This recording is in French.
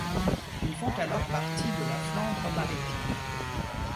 Ils font alors partie de la Flandre maritime.